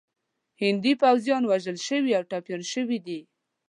هندي پوځیان وژل شوي او ټپیان شوي دي.